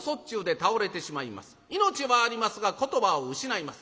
命はありますが言葉を失います。